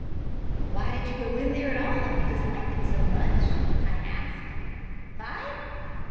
"But why did you go there at all if you disliked it so much?" I asked. "Vy?